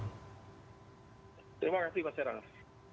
terima kasih pak serang